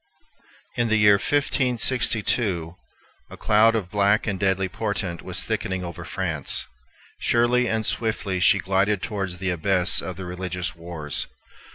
In the year 1562 a cloud of black and deadly portent was thickening over France. Surely and swiftly she glided towards the abyss of the religious wars.